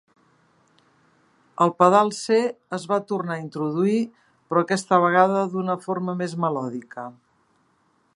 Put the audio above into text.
El pedal C es va tornar a introduir, però aquesta vegada d"una forma més melòdica.